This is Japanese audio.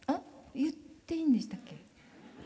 言っていいんでしたっけ？